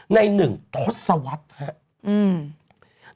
ในหนึ่งต้นสวัสดิ์แหละอืม